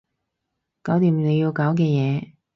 搞掂你要搞嘅嘢